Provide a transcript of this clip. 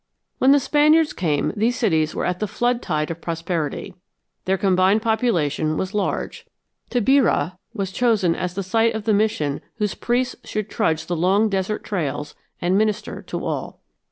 When the Spaniards came these cities were at the flood tide of prosperity. Their combined population was large. Tabirá was chosen as the site of the mission whose priests should trudge the long desert trails and minister to all.